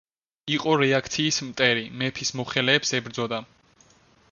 იყო რეაქციის მტერი, მეფის მოხელეებს ებრძოდა.